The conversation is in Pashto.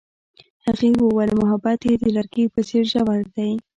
هغې وویل محبت یې د لرګی په څېر ژور دی.